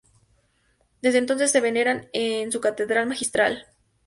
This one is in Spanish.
Desde entonces se veneran en su Catedral-Magistral.